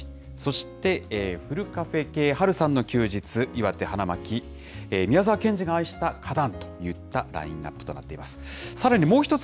そして、ふるカフェ系ハルさんの休日、岩手・花巻、宮沢賢治が愛した花壇といったラインナップとなっています。